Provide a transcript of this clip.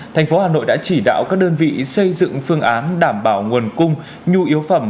thành phố hà nội đã chỉ đạo các đơn vị xây dựng phương án đảm bảo nguồn cung nhu yếu phẩm